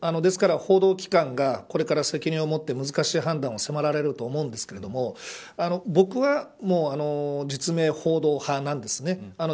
ですから、報道機関がこれから責任を持って難しい判断を迫られると思いますが僕は実名報道派なんです。